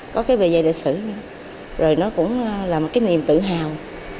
có cái bề dày lịch sử rồi nó cũng là một cái niềm tự hào